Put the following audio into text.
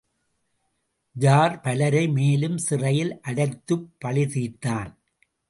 Jar, பலரை மேலும் சிறையில் அடைத்துப் பழிதீர்த்தான்.